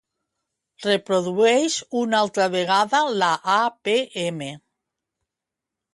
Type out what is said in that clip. Reprodueix una altra vegada l'"APM".